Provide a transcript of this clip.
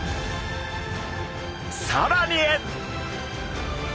さらに！